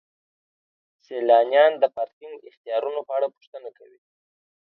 سیلانیان د پارکینګ اختیارونو په اړه پوښتنه کوي.